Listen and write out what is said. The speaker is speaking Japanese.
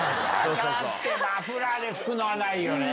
マフラーで拭くのはないよね？